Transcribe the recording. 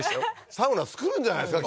サウナ造るんじゃないですか？